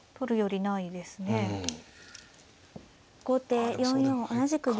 後手４四同じく銀。